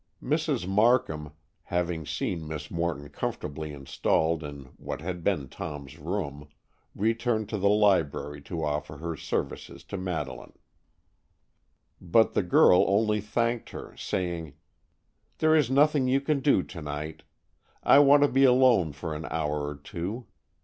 Mrs. Markham, having seen Miss Morton comfortably installed in what had been Tom's room, returned to the library to offer her services to Madeleine. But the girl only thanked her, saying, "There is nothing you can do to night. I want to be alone for an hour or two.